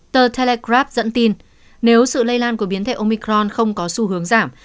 tờ telegrab dẫn tin nếu sự lây lan của biến thể omicron không có xu hướng giảm